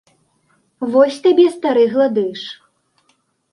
Вось табе стары гладыш!